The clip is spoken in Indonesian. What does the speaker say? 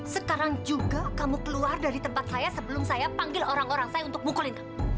sekarang juga kamu keluar dari tempat saya sebelum saya panggil orang orang saya untuk mukulin